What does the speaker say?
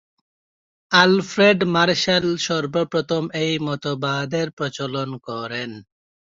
Alfred Marshall সর্বপ্রথম এই মতবাদের প্রচলন করেন।